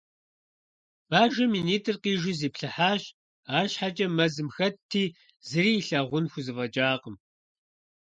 Бажэм и нитӀыр къижу зиплъыхьащ. АрщхьэкӀэ мэзым хэтти, зыри илъагъун хузэфӀэкӀакъым.